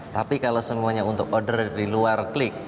tapi kalau semuanya untuk order di luar klik